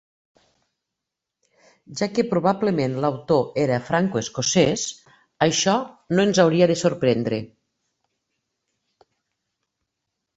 Ja que probablement l'autor era franco-escocès, això no ens hauria de sorprendre.